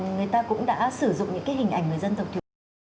người ta cũng đã sử dụng những hình ảnh người dân tộc thiểu số